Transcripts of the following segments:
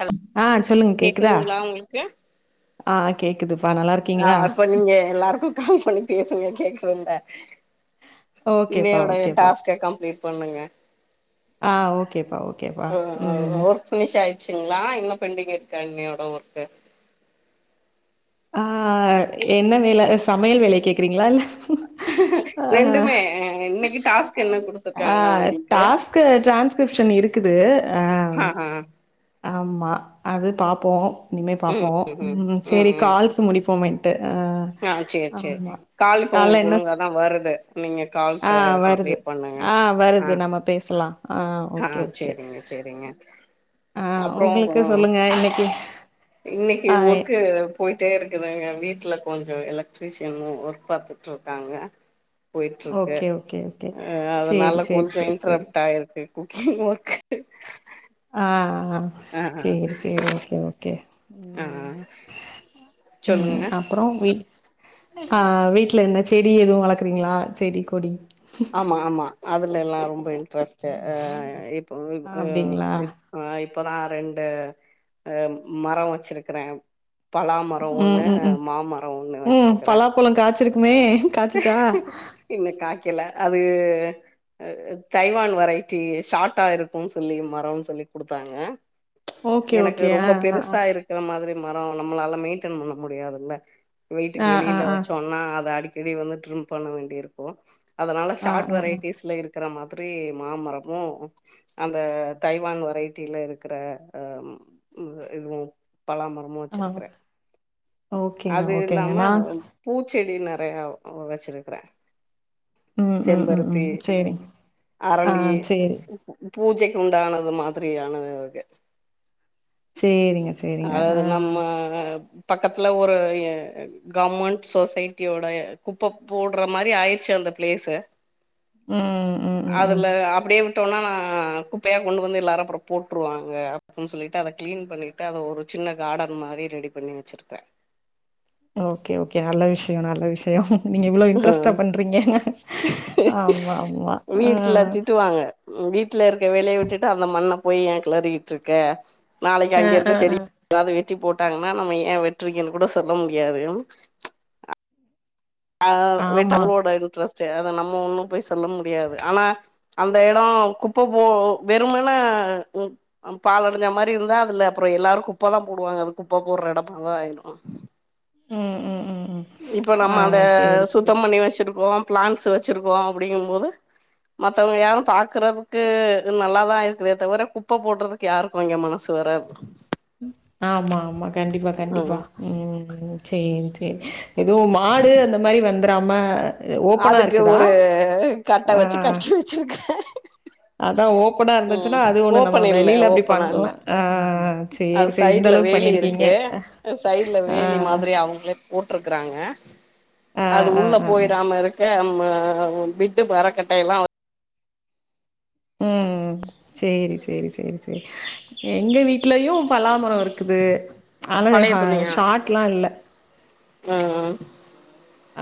Hello ஆ சொல்லுங்க கேக்குதா கேக்குதுங்களா உங்களுக்கு ஆ கேக்குது ஆ அப்ப நீங்க எல்லாருக்கு கால் பண்ணி பேசுங்க கேக்குரத ஓகேப்பா இன்னயோட ஓகேப்பா டாஸ்க கம்ப்ளீட் பண்ணுங்க ஆ ஓகேப்பா ஓகேப்பா உ முடிச்சிங்களா இன்னு பெண்டிங் இருக்கா இன்னையோட ஒர்க்கு ஆ என்ன வேலை சமையல் வேலைய கேக்குறீங்களா இல்ல ஆ ரெண்டுமே இன்னைக்கு டாஸ்க்க் என்ன குட்த்துருக்காங்க உங்களுக்கு ஷன் இருக்குது ஆ ஆ ஆமா அது பாப்போ இனிமே பாப்போ ம் சேரி கால்ஸ் முடிப்போமேன் ஆ சேரி சேரி கால் இப்ப கால்ல உங்களுக்கு என்ன ஸ் ஒழுங்காதா வருது நீங்க ஆ கால்ஸ்ஸ வருது கம்ப்ளீட் பண்ணுங்க ஆ வருது ஆ நம்ம பேசலா ஆ ஓகே ஓகே சேரிங்க சேரிங்க ஆ உங்களுக்கு சொல்லுங்க இன்னைக்கு இன்னிக்கு ஆ ஒர்க்கு போயிட் ட்டே இருக்குதுங்க வீட்டுல கொஞ்சோ எலக்ட்ரீஷியனு ஒர்க் பாத்துட்டு இருக்காங்க போயிட்டு இருக்கு ஓகே ஓகே ஓகே அ சேரி அதனால சேரி கொஞ்சோ சேரி சேரி இன்ட்ரப்ட் ஆயிருக்கு ஓகே ஓகேட்டு ஆ ஆ சேரி சேரி ஓகே ஓகே ஆ ம் ம் சொல்லுங்க அப்புறோ வீட் ஆ வீட்டுல என்ன செடி எதுவு வளர்க்கிறீங்களா செடி கொடி ஆமா ஆமா அதுல எல்லா ரொம்ப இன்ட்ரெஸ்ட் ஆ இப் கோ அப்டிங்களா [unintelligible] இப்பதா ரெண்டு அ மரோ வச்சிருக்கிறே பலாமரோ ம் ஒண்ணு ம் ம் மாமரோ ஒன்னு வச்சிருக்கறே மே இன்னு காய்க்கல அது தைவான் வரைட்டி ஷார்டா இருக்கும்ன்னு சொல்லி மரம் சொல்லி குடுத்தாங்க ஓகே எனக்கு ஓகே ஆ ரொம்ப பெருசா இருக்கிற மாதிரி மரம் நம்மளால மெயின்டென் பண்ண முடியாதுல்ல வீட்டுக்கு ஆ ஆ ஆ வெளியில ஆ வச்சோனா அத அடிக் திடி வந்து ட்ரிம் பண்ண வேண்டி இருக்கு அதனால ஆ ஆ ஷார்ட் ஆ வெரைட்டிஸ்ல இருக்கிற மா த்திரி மாமரமும் அந்த தைவான் வெரைட்டில இருக்கிற இதுவு பலாமரமு ஆ ஆ வச்சிருக்கறே ஓகேங்க அது ஓகேங்க இல்லாம நா பூச் செ செடினா நறையாவ் வெச்சுருக்குற ம் ம் ம் ம் சேரிங் ஆ அரளி சேரி பூஜைக்கு உண்டாகனது மாத்திரியான வக சேரிங்க சேரிங்க. ஆ அதது ஆ. நம்ம பக்கத்துல ஒரு கவர்மெண்ட் சொசைட்டியோடய குப்ப போடுற மாரி ஆயிருச்சு அந்த பிளேஸ்சு ம், ம், ம், ம். அதுல அப்டியே விட்டோன்னா நா ஆ குப்பைய கொண்டு வந்து எல்லாரு அப்புறோ போட்டுருவாங்க அப்டின் சொல்லிட்டு அத கிளீன் பண்ணி ட்டு அத ஒரு சின்ன காடன் மாரி ரெடி பண்ணி வெச்சுருக்குற ஓகே ஓகே நல்ல விஷ்யோ நல்ல விஷ்யோ நீங்க இவ்ளோ இன்ட்ரெஸ்ட்டா பண்றீங்கங்க ஆமா ஆமா ஆ ம் வீட்ல இருக்க வேலய விட்டுட்டு அந்த மண்ண போய் ஏ கெளறிகிட்ருக்க நாளைக்கு அ, அங்க இருக்க அ, செடி அ. எதாவது வெட் வெட்டி போட்டாங்கன்னா நம்ம ஏ வெற்றீங்கன்னு கூட சொல்ல முடியாது ஆ வெட்ட ஆமா. ஓட இன்ட்ரஸ்ட் சேர் அத நம்ம ஒண்ணும் போய் சொல்ல முடியாது ஆனா அந்த எடோ குப்ப போ வெறும்மென்ன பால் அடஞ்ச மாரி இருந்தா அதுல அப்புறோ எல்லாரு குப்பதா போடுவாங்க அது குப்ப போடுற எடமாதா ஆயிடு ம் ம் ம் ம். இப்ப ஆ நம்ம அத சேரி, சேரி. சுத்தம் பண்ணி வெச்சுருக்கோ பிளேன்ஸ் வெச்சுருக்கோ அப்டிங்கும் போது மத்தவங்க யாரு பாக்குறதுக்கு நல்லாதா இருக்குதே தவுர குப்ப போடுறதுக்கு யாருக்கு இங்க மனசு வராது ஆமா ஆமா கண்டிப்பா கண்டிப்பா ம் ம் சேரி சேரி எதுவும் மாடு அந்த மாரி வந்துராம ஓப்பனா அதுக்கு இருக்குதா? ஒரு கட்ட வெச்சு ஆ. கட்டி வெச்சுருக்க அதா ஓப்பனா இருந்துச்சுன்னா அது ஒண்ணு நம்ம ஓப்பன் இல்ல வெளில அப்டி ஓப்பனா பண்லா இல்ல ஆ ஆ ஆ ஆ அது சேரி சேரி இந்த சைட்ல அளவுக்கு வேலி பண்ணிருக்கீங்க இருக்கு ஆ போட்டுருக்குறாங்க ஆ ஆ ஆ ஆ க அம்மா பிட்டு மரக்கட்டை எல்லா ம் சேரி சேரி சேரி சேரி எங்க வீட்லயு பலாமரோ இருக்குது ஆனா பழைய ஆ துணியா ஷாட்லா இல்ல ஆ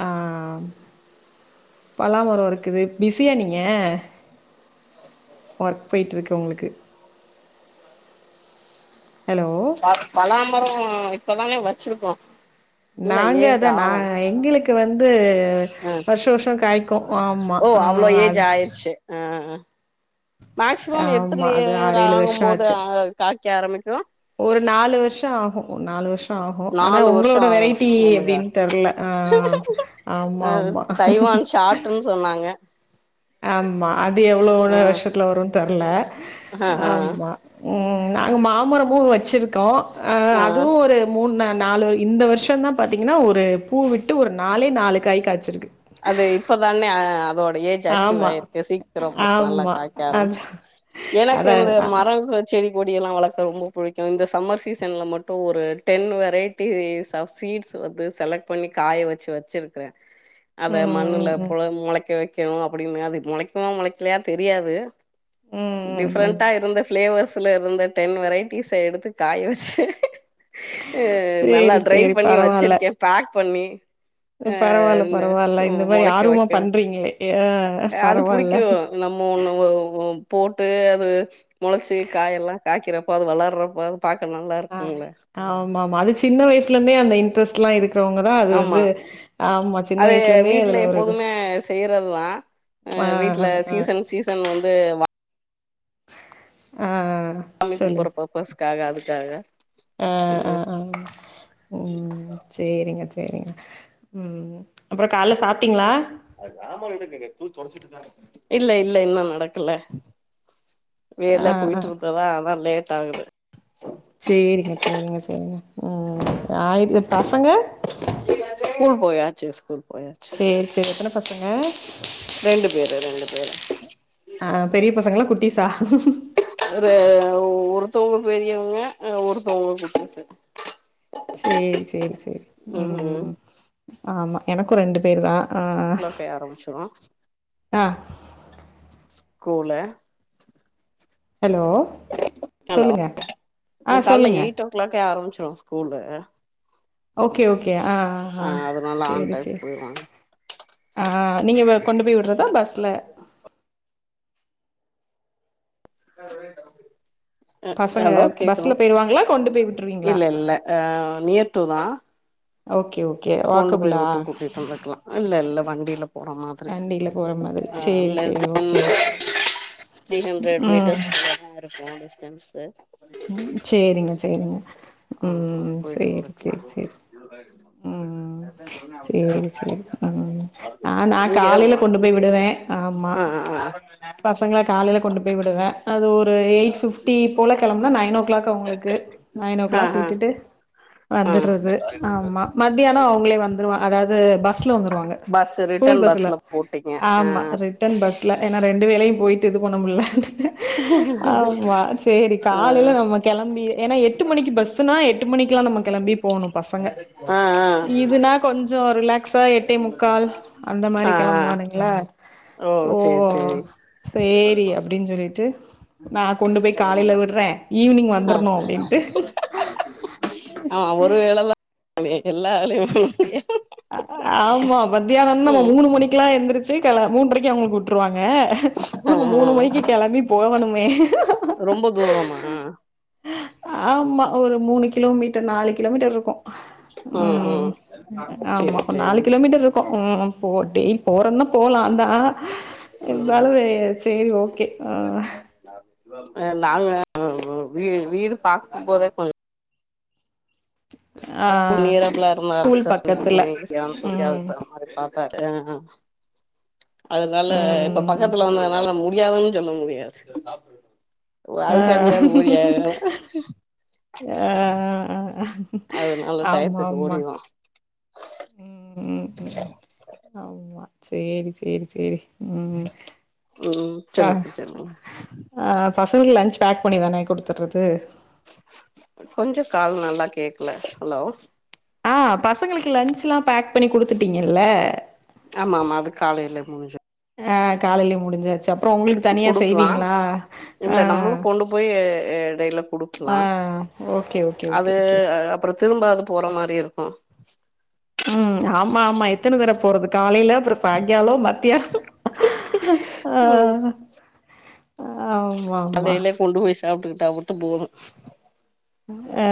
ஆம் பலாமரோ இருக்குது பிஸியா நீங்க ஒர்க் போயிட்ருக்கு உங்களுக்கு ஹலோ ப பலாமரோ ஆ இப்பதானே வச்சிருக்கோ இன்னு நாங்க ஏஜ் அதா நா ஆவு எங்களுக்கு கு வந்து ஆ வருஷ வருஷ காய் ஓ அவ்ளோ ஏஜ் ஆயிருச்சு ஆ மேக்சிமம் எத்தன ஆமா அது இயர் ஆறு ஏழு ஆகும் வருஷோ போது ஆச்சு காட் கேரமீட்ரோ ஒரு நாலு வருஷோ ஆகு நாலு வருஷோ ஆமா ஆனா நாலு வருஷோ உங்களோட ஆகணு வெரைட்டி ஓ மை காட் எப்டின்னு தெரல ஆ ஆமா அ ஆமா தைவான் ஷார்ட்ன்னு சொன்னாங்க ஆமா அது எவ்வளவு ஆ ஒண்ணு வருஷத்துல வரு தெர்ல ஆ ஆ ஆமா உ நாங்க மாமரமு வச்சுருக்கோ அ ஆ அதுவு ஒரு மூணுநா நாலு இந்த வருஷந்தா பாத்தீங்கன்னா ஒரு பூ விட்டு ஒரு நாளே நாலு காய் காய்ச்சிருக்கு அது இப்பதானே அ அதோட ஏஜ் அச்சீவ் ஆமா ஆயிருக்கு சீக்கரோ பூ நல்லா ஆமா காக்க அது ஆரம்பிச்சிருச்சி எனக்கு அதா இந்த மரம் செடி கொடிய எல்லா வளக்க ரொம்ப பிடிக்கு இந்த சம்மர் சீசன்ல மட்டு ஒரு டென் வெரைட்டிஸ் ஆஃப் சீட்ஸ் வந்து செலக்ட் பண்ணி காய வச்சு வச்சிருக்கிறே ம் அத மண்ணுல ம் ம் புழ முளைக்க வை வக்கணு அப்டின்னுா அது முளைக்குமா முளைக்கலையா தெரியாது ம் ம் ம் டிஃப்ரெண்டா இருந்த ஃபிளேவர்ஸ் வீட்டுல இருந்த டென் வெரைட்டிஸ எடுத்து காய வச்சு அ நல்லா சேரி ட்ரை பண்ணி வச்சிருக்கே பேக் பண்ணி அ பரவாயில்ல பரவாயில் நல்லா இந்த மாரி மொளைக்க ஆர்வமா வைக்கணு பண்றீங்களே ஆ அது பரவாயில்ல புடிக்கு நம்ம ஒண்ணு போட்டு அது முளைச்சு காயெல்லா காய்கிறப்போ அது வளர்றப்போ பாக்க நல்லா ஆ இருக்கும்ல ஆமா மா அது சின்ன வயசுல இருந்தே அந்த இன் ட்ரஸ்ட்லா இருக்கு ஆமா சின்ன அது வயசுல இருந்தே வீட்டுல அதுல ஒரு இது எப்போதுமே செய்யறதுதா ஆ வீட்டுல ஆ ஆ சீசன் சீசன் வந்து ஆ சாமி கும்பர சொல்லுங்க பர்பஸ் காக அதுக்காக ஆ ஆ ம் ஆ ம் சேரிங்க சேரிங்க ம் அப்புறம் கால்ல சாப்பிட்டீங்களா இல்ல இல்ல இன்னும் நடக்கல வேல ஆ ஆ போயிட்டு இருந்ததா அதான் லேட் டாகுது செரிங்க செரிங்க செரிங்க ம் ம் ஆயிரது பசங்க ஸ்கூல் போயாச்சி ஸ்கூல் போயாச்சு செரி செரி எத்தன பசங்க வேற ஆ பெரிய பசங்கலா? குட்டிஸா? ஒரு ஒருத்தவங்க பெரியவங்க ஒருத்தவங்க குட்டிஸு சேரி சேரி சே ம் ஆமா எனக்கும் ரெண்டு பேர் தா ஆ கிலோக்கே ஆரம்பிச்சிடும் ஆ ஸ் கூல ஹலோ சொல்லுங்க ஆ சொல்லுங்க ரு ஸ்கூலு ஓகே ஓகே ஓகே ஆ ஆ ஆ அதனால ஆன் செரி டைம் செரி போயிருவாங்க ஆ ஆ நீங்க இப்ப கொண்டு போய் விடறதா பஸ்ல ஆஹ பசங்க ஹலோ கேக்குனு பஸ்ல போயிருவாங்களா கொண்டு போய் விட்ருவீங்களா இல்ல இல்ல ஆ நியர்ட்டு தா ஓகே ஓ கொண்டு போய் விட்டு கூட்டிட்டு வந்துக்கலாம் இல்ல இல்ல வண்டில போற மாதிரி வண்டில போற மாதிரி ம் சேரி இல்ல சேரி ஓகே ஓகே [inaudible] த்ரி ஹண்ட்ரட் ம் மீட்டர்ஸ்லதா இருக் ஓன் டிஸ்டன்ஸு ம் சேரிங்க சேரிங்க ஆ ம் போயிட்டு சேரி வந்துக்கலா சேரி சேரி ம் ம் ம் செரி செரி ம் ஆ நான் இங்க காலையில கொண்டு போய் விடுவேன் ஆமா ஆ ஆ ஆ பசங்கல காலையில கொண்டு போய் விடுவேன் அது ஒரு எயிட் ஃபிப்டி போல கெளம்பனா நைன் ஓ கிளாக் அவங்களுக்கு நைன் ஓ ஆ கிளாக் ஆ விட்டுட்டு வந்துறது ஆமா மத்தியானம் அவங்களே வந்துருவா இது பஸ்ல வந்துருவாங்க பஸ் ஸ்கூல் ரிட்டன் பஸ்ல போட்டீங்க ஆ ஆமா ரிட்டன் பஸ்ல ரெண்டு வேலயு போய்ட்டு போனமுல்லன்ட்டு ஆமா சேரி ஆ காலேல நம்ம கெளம்பி ஏன்னா எட்டு மணிக்கு பஸ்ஸுனா எட்டு மணிக்லா நம்ம கெளம்பி போணு பசங்க ஆ இதுனா கொஞ்சோ ரிலாக்ஸா எட்டே முக்கால் அந்த மாரி ஆ ஆ கிளம்புவானுங்ளா ஓ சோ சேரி சேரி சேரி அப்டின்னு சொல்லிட்டு நா கொண்டு போய் காலேல விட் ஆ ஆ ஒரு வேளவ் அ எல்லா வேலயும்மே ஆமா மத்தியானம் நம் ம் மூனு மணிக்கு எல்லா எந்துருச்சு கில மூன்றரைக்கு அவுங்களுக்கு விட்ருவாங்க ஆ ம் ஆ மூனு மணிக்கு கெளம்பி போகணும் உ ரொம்ப தூரமா [unintelligible] ஆமா ஒரு மூனு கிலோமீட்டர் நாளைக்கு கிலோமீட்டர் இருக்கு உம் ம் உம் ஆமா ஒரு நாலு கிலோமீட்டர் இருக்கு ம் போடெய் போறன்னா போலா அதா ஆ ம் இருந்தாலும் வே சேரி ஓகே ஆ நாங்க வீ வீடு பாக்கும் போதே கொஞ்ச ஆ குண்ணீரப்பலாம் இருந்தா ஸ்கூல் சஸ்மிக்கு மு பக்கத்துல ம் மாதிரி பார்த்தாரு [unintelligible] அதனால இப்ப ம் பக்கத்துல வந்ததுனால முடியாமன் சொல்ல முடியாது ஆ அதுக்காண்டியாது ஓடியாகனு ஆ அது நல்ல டயத்துக்கு முடியு உம் உம் உம் ஆமா சேரி சேரி சேரி உம் உம் சொல்லுங்க சொல்லுங்க பசங்களுக்கு லன்ச் பேக் பண்ணி தானே கொடுத்துறது கொஞ்சோ கால் நல்லா கேக்கல ஹலோ ஆ பசங்களுக்கு லன்ச்லா பேக் பண்ணி குடுத்துட்டீங்கல்ல ஆமா ஆமா அது காலையில முடுஞ்சு ஆ காலையிலயே முடுஞ்சாச்சா அப்புறோ உங்களுக்கு தனியா குடுக்கலா செய்வீங்களா ஆ கடைல ஆ ஓகே ஓகே ஓகே ஓகே அப்புற திரும்ப அது போற மாரி இருக்கு ம் ஆமா ஆமா எத்தன தட போறதுக் காலைல அப்புறோ சாய்ங்காலோ மத்தியானோ ஆ ம் ஆமா ஆமா சாப்டுகிட்டா மட்டும் போது உண்ம ஆ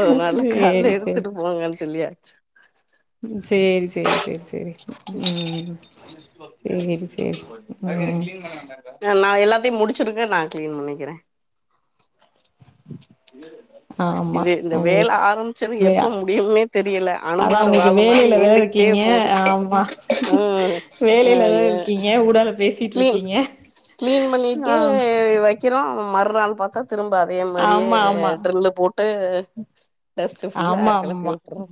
அதனால கால்ல சேரி சேரி எடுத்துட்டு போங்கன்னு சொல்லியாச்சு ம் சேரி சேரி சேரி சேரி [inaudible] ம் சேரி சேரி ம் நா எல்லாத்தையு முடுச்சுருக்க நா கிளீன் பண்ணிக்கிற ஆமா இது இந்த வேல உங்களுக்கு ஆரம்பிச்சதுக்கு வே எப்ப முடியும்னே தெரியல அதா அனுமாறு வாலு மாரி நீண்டுக்கிட்டே போது ம் அ வேலையிலதா எ இருக்கீங்க உடால பேசிட் கிளீன் இருக்கீங்க ஆ மர்நாள் பாத்தா திரும்ப அதே மாரியே ஆமா ஆமா டிரில்லு போட் ஆமா கெளப்பி ஆமா விட்டுறோ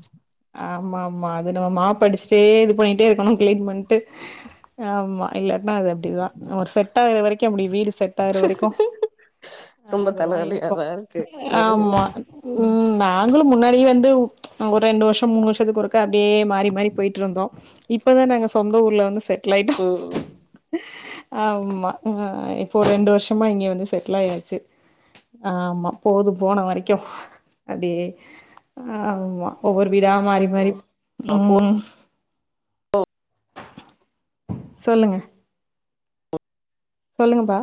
ஆமா ஆமா அது நம்ம மாப்படுச்சு சேரி இது பண்ணிட்டே இருக்கணு கிளீன் பண் ட்டு ஆமா இல்லாட்னா அது அப்டிதா ஒரு செட் ஆகுற வரைக்கு அப்டி வீடு செட் ஆகுற வரைக்கு ரொம்ப அதெல்லா இருக்கு தலவலியாதா ஆமா ம் ம் நாங்களு முன்னாடியே வந்து ஒரு ரெண்டு வருஷோ மூணு வருஷத்துக்கு ஒருக்கா அப்டியே மாறி மாறி போயிட்ருந்தோ இப்பன் நாங்க சொந்த ஊர்ல வந்து செ ட்லாயிட்டோ ம் ஆமா அ இப்போ ரெண்டு வருஷமா இங்க வந்து செட்டுல் ஆயாச்சு ஆ ஆமா போது போன வரைக்கு அப்டியே ஆ ஆமா ஒவ்வொரு வீடா மாறி மாறி போ ம் சொல்லுங்க சொல்லுங்க பா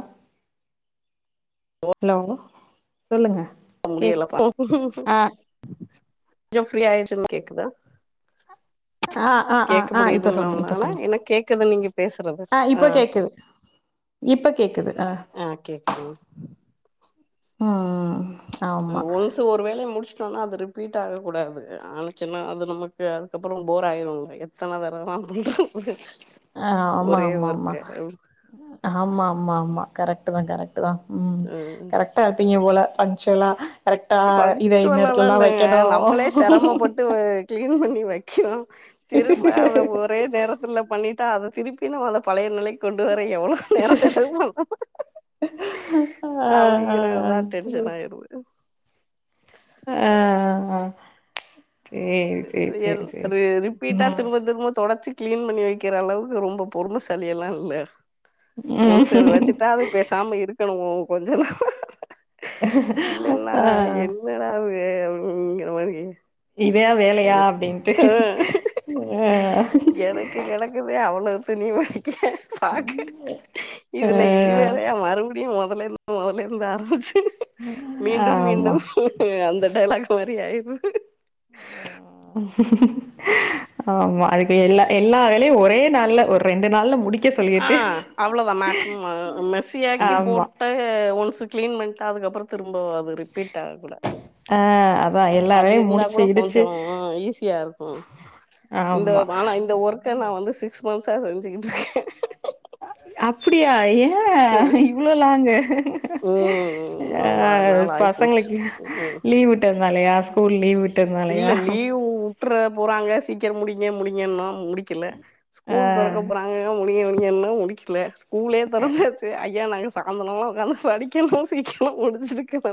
ஹலோ சொல்லுங்க கேக் முடியலப்பா ஆ கொஞ்சோ ஃபீரி ஆய்டுச்சின் கேக்குதா ஆ ஆ ஆ கேக்க ஆ இப்ப முடியுதுங்ளா சொல்லுங்க இப்ப உன்னால சொல்லுங்க எனக் கேக்குது நீங்க பேசுறது ஆ இப்ப கேக்குது இப்ப கேக்குது ஆ கேக்குதுங் ஆ ஆ ஆ ஏ ஒன்சு ஒரு வேல முடிச்சு ட்டோனா அது ரிப்பீட் ஆக கூடாது ஆனாச்சின்னா அது நமக்கு அதுக்கப்றோ போர் ஆய்ருங்க எத்தன தடவ தா பண்றது ஆ ஆமா ஒரே ஆமாமா ஒர்க்க ஆமா அம்மாமா கரெக்ட்டு தான கரெக் இதா ம் கரெக்ட்டா இருப்பீங்க போல பட் சுவ்லா பஞ்சுவவ்லாலா இல்லங்க நம்மளே செரமப்பட்டு கிளீன் பண்ணி வைக்கிறோ திரும்ப அத ஒரே நேரத்துல பண்ணிட் ட அத திருப்பி நம்மள பழைய நெலைக் கொண்டு வர எவ்ளோ நேரோ செலவு ஆ ஆ ஆ அப்டிங்கறதா டென்ஷன் ஆய்ருது அ ஆ ஆ சேரி சேரி ரியல் சேரி சேரி மாரி ரிப்பீட்டா ம் திரும்ப திரும்ப தொடர்ச்சி கிளீன் பண்ணி வைக்கிற அளவுக்கு ரொம்ப பொறுமைசாலி எல்லா இல்ல ஒன்ஸ் அது ம் வச்சுட்டா அது பேசாம இருக்கணு கொஞ்ச நா இல்லன்னா ஆ என்னடாவ இவுக இங்க பாருங்க இதையா வேலையா அப்டின்ட்டு ஆ துணிமணி பாக்க ஆ இதுல இது வேலையா மறுபடியும் மொதல்லருந் மொதல்லருந்து ஆரம்பிச்சு மீண்டும் ஆமா மீண்டும் அந்த டைலாக் மாரி ஆயிது ஆஹ் ஆமா அதுக்கு எல்லா எல்லா வேலையு ஒரே நாள்ல ஒரு ரெண்டு நாள்ல மு ஆ அவ்ளோதா மேக்சிமம் மெஸியாக்கி ஆமா போட்டு ஒன்ஸ் கிளின்பண்ணடா அதுக்கப்புறோ திரு ரொம்ப அது ரிப்பீட் ஆக கூடாது ஆ அதா எல்லா அப்பிடி வேலையு இருந்தா முடிச்சு கூட இடிச்சு கொஞ்சோ ஈஸியா இருக்கு இந்த ஆமா ஆனா இந்த ஒர்க்க நா வந்து சிக்ஸ் மந்த்ஷா செஞ்சுக்கிட்டுருக்கே அப்பிடியா ஏ ம் இவ்ளோ லாங்க ம் அவ்ளோ ஆ நாள் ஆயி போச்சு பசங்களுக்கு ம் லீவ் விட்ட நாளையா ஸ்கூல் லீவ் விட் இல்ல லீவ்வுட்டற போறாங்க சீக் சேர் முடிங்க முடிங்கன்னா முடிக்கல ஸ்கூல் தொறக்க ஆ போறாங்க [unintelligible] பியே வரைக்கு எல்லா முடிக்கல ஸ்கூலே திறந்துச்சி ஐயா நாங்க சாயந்தனம்லா உட்காந்து படிக்கணு சீக்கணு முடிச்சுட்டுக்கன